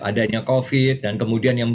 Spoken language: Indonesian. adanya covid dan kemudian yang